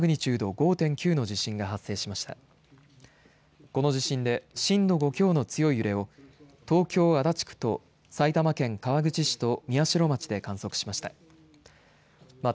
この地震で震度５強の強い揺れを東京、足立区と埼玉県川口市と宮代町で観測しました。